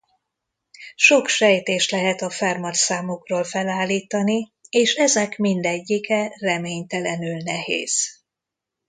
Sok sejtést lehet a Fermat-számokról felállítani és ezek mindegyike reménytelenül nehéz.